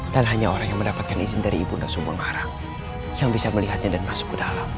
dan hanya orang yang mendapatkan izin dari ibunda sumbungarang yang bisa melihatnya dan masuk ke dalam